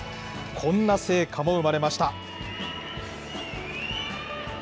こんな成果も生まれました。